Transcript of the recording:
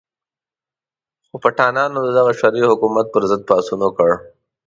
خو پټانانو د دغه شرعي حکومت په ضد پاڅون وکړ.